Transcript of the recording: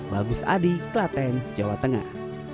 bagus adi klaten jawa tengah